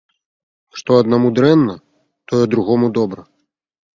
Што аднаму дрэнна, тое другому добра.